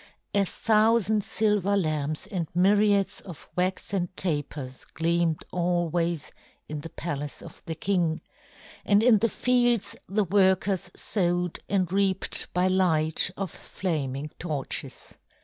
A thousand silver lamps and myriads of waxen tapers gleamed always in the palace of the king; and in the fields the workers sowed and reaped by light of flaming torches.